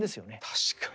確かに。